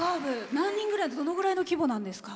何人ぐらいどのくらいの規模なんですか？